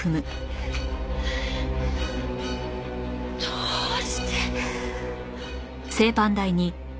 どうして。